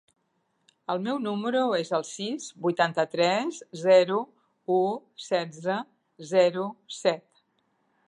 El meu número es el sis, vuitanta-tres, zero, u, setze, zero, set.